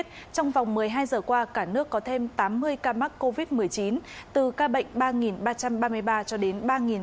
trong vòng một mươi hai giờ qua cả nước có thêm tám mươi ca mắc covid một mươi chín từ ca bệnh ba ba trăm ba mươi ba cho đến ba bốn trăm một mươi hai